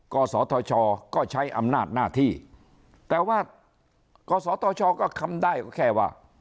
กศธชก็ใช้อำนาจหน้าที่แต่ว่ากศตชก็คำได้ก็แค่ว่า